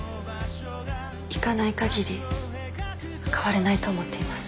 行かないかぎり変われないと思っています